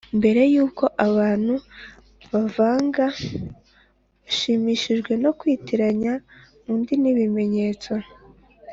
“mbere yuko abantu bavuga, bashimishijwe no kwitiranya undi n'ibimenyetso